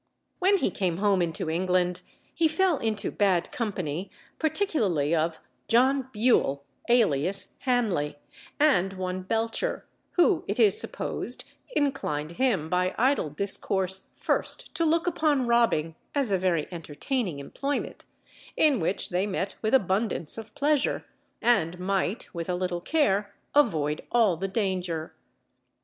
When he came home into England, he fell into bad company, particularly of John Bewle, alias Hanley, and one Belcher, who it is to be supposed inclined him by idle discourse first to look upon robbing as a very entertaining employment, in which they met with abundance of pleasure, and might, with a little care, avoid all the danger.